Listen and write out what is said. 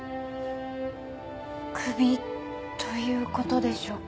首ということでしょうか？